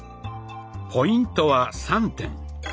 ポイントは３点。